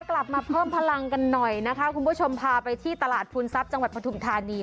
กลับมาเพิ่มพลังกันหน่อยนะคะคุณผู้ชมพาไปที่ตลาดภูนทรัพย์จังหวัดปฐุมธานี